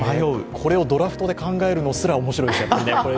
これをドラフトで考えるのすら面白いですね。